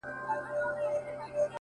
ه زيار دي دې سپين سترگي زمانې وخوړی!